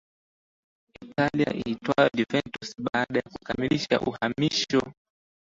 Italia iitwayo Juventus baada ya kukamilisha uhamisho